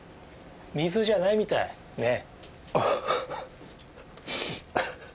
水じゃないみたいねぇ。